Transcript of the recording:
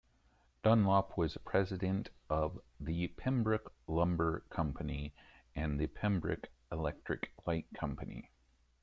Dunlop was president of the Pembroke Lumber Company and the Pembroke Electric Light Company.